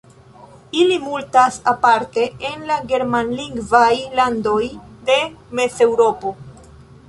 Ili multas aparte en la germanlingvaj landoj de Mezeŭropo.